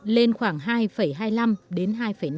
lên khoảng hai hai mươi năm đến hai năm